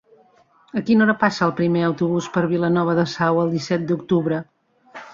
A quina hora passa el primer autobús per Vilanova de Sau el disset d'octubre?